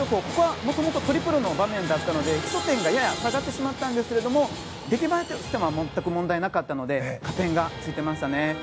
ここはもともとトリプルの場面だったので基礎点がやや下がってしまったんですが出来栄え点としては全く問題なかったので加点がついていました。